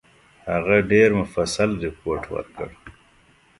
هغه ډېر مفصل رپوټ ورکړ.